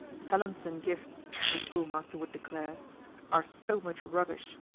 "Talents and gifts," the schoolmaster would declare, "are so much rubbish.